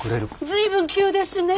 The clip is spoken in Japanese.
随分急ですね。